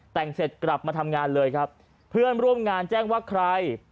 แต่งเสร็จกลับมาทำงานเลยครับเพื่อนร่วมงานแจ้งว่าใคร